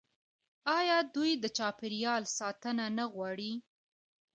آیا دوی د چاپیریال ساتنه نه غواړي؟